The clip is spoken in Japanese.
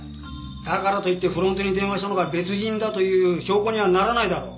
だからといってフロントに電話したのが別人だという証拠にはならないだろう。